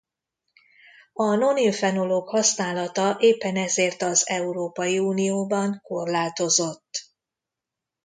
A nonil-fenolok használata éppen ezért az Európai Unióban korlátozott.